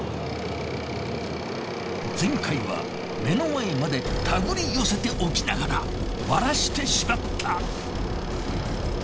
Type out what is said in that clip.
前回は目の前まで手繰り寄せておきながらバラしてしまった。